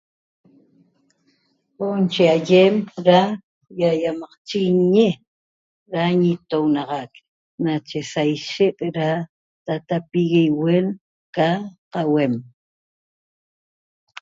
Huoo che ayem da yayamaqchichiguiñe da ñitonaxaq nache saishet da tatapihue ca ahuem